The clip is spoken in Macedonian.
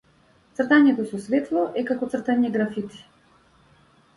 Цртањето со светло е како цртање графити.